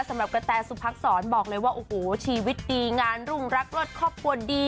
กระแตสุพักษรบอกเลยว่าโอ้โหชีวิตดีงานรุ่งรักเลิศครอบครัวดี